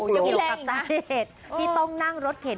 อยู่กับสาเหตุที่ต้องนั่งรถเข็น